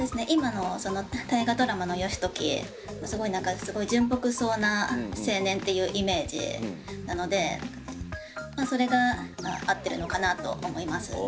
今の大河ドラマの義時すごいなんか純朴そうな青年っていうイメージなのでそれが合ってるのかなと思います。